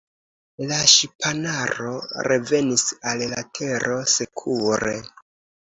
La ŝipanaro revenis al la Tero sekure.